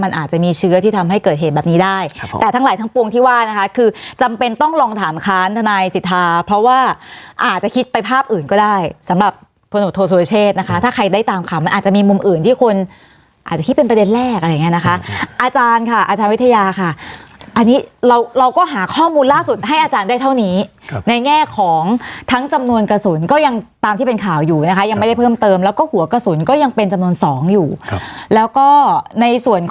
มันอาจจะมีเชื้อที่ทำให้เกิดเหตุแบบนี้ได้แต่ทั้งหลายทั้งปวงที่ว่านะคะคือจำเป็นต้องลองถามค้านทนายศิษฐาเพราะว่าอาจจะคิดไปภาพอื่นก็ได้สำหรับพลสุรเชษนะคะถ้าใครได้ตามขามมันอาจจะมีมุมอื่นที่คนอาจจะคิดเป็นประเด็นแรกอะไรอย่างนี้นะคะอาจารย์ค่ะอาจารย์วิทยาค่ะอันนี้เราก็หาข้อมูลล่าสุ